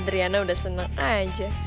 adriana udah seneng aja